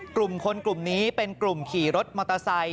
กลุ่มคนกลุ่มนี้เป็นกลุ่มขี่รถมอเตอร์ไซค